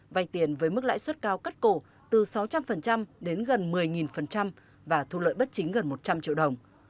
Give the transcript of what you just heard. vay tiền với mức lãi suất cao cắt cổ từ sáu trăm linh đến gần một mươi và thu lợi bất chính gần một trăm linh triệu đồng